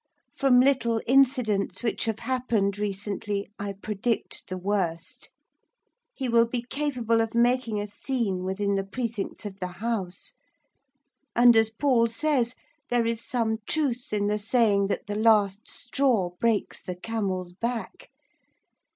From little incidents which have happened recently I predict the worst. He will be capable of making a scene within the precincts of the House. And, as Paul says, there is some truth in the saying that the last straw breaks the camel's back.